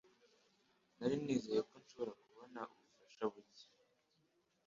Nari nizeye ko nshobora kubona ubufasha buke.